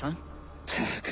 ったく！